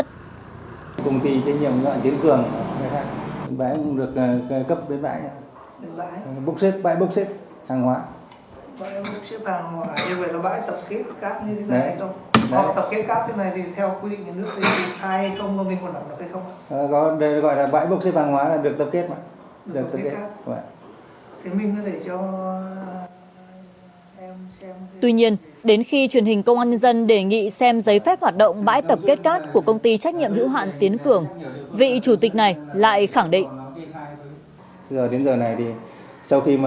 tuy nhiên đến khi truyền hình công an dân đề nghị xem giấy phép hoạt động bãi tập kết cát của công ty trách nhiệm hữu hạn tiến cường vị chủ tịch này lại khẳng định